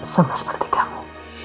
sama seperti kamu